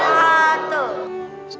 waalaikumsalam warahmatullahi wabarakatuh